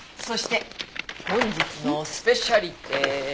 そして本日のスペシャリテ。